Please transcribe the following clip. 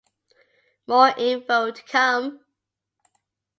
More info to come.